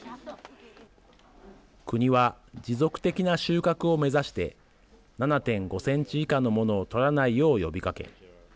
国は持続的な収穫を目指して７．５センチ以下のものを採らないよう呼びかけ